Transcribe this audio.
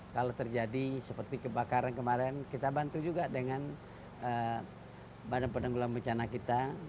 kalau terjadi seperti kebakaran kemarin kita bantu juga dengan badan penanggulang bencana kita